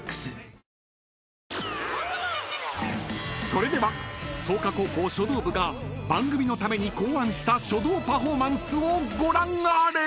［それでは創価高校書道部が番組のために考案した書道パフォーマンスをご覧あれ！］